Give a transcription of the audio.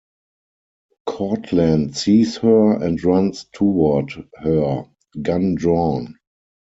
Courtland sees her and runs toward her, gun drawn.